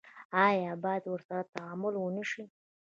آیا باید ورسره تعامل ونشي؟